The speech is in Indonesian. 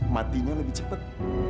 matinya lebih cepet